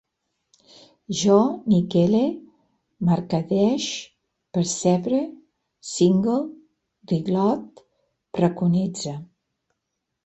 Jo niquele, mercadege, persevere, single, reglote, preconitze